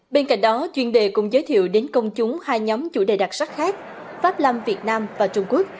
bên cạnh đó chuyên đề cũng giới thiệu đến công chúng hai nhóm chủ đề đặc sắc khác pháp lâm việt nam và trung quốc